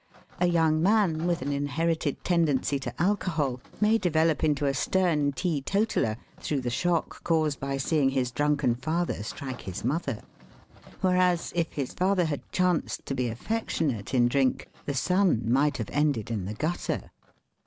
A young man with an inherited tendency to alcohol may develop into a stern teetotaller through the shock caused by seeing his drunken father strike his mother; whereas, if his father had chanced to be affectionate in drink, the son might have ended in the gutter.